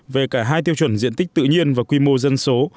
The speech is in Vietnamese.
về cả hai tiêu chuẩn diện tích tự nhiên và quy mô dân số